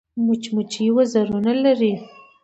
مچمچۍ وزرونه لري